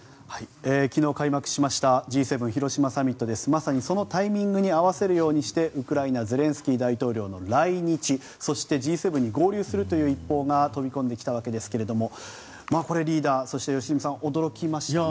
まさに、そのタイミングに合わせるようにしてウクライナゼレンスキー大統領の来日そしてＧ７に合流するという一報が飛び込んできたわけですがこれリーダー、良純さん驚きましたね。